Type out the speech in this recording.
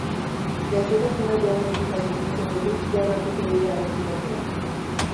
Gaixotasuna diagnostikatu ziotenetik gaur arteko bidea errepasatu du.